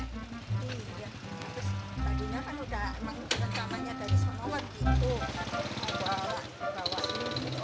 terus tadinya kan udah emang kita tambahnya dari samawat gitu